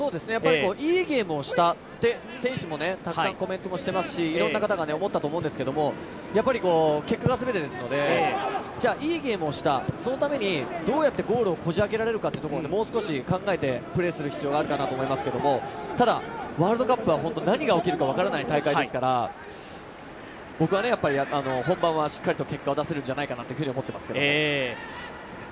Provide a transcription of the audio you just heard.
いいゲームをして選手もたくさんコメントしていますしいろんな方が思ったと思うんですけど結果がすべてですので、じゃあいいゲームをした、そのためにどうやってゴールをこじあけられるかというところまで考えてプレーする必要があるかと思いますけど、ワールドカップは何が起きるか分からない大会ですから、僕は本番はしっかりと結果を出せるんじゃないかなと思っていますけど。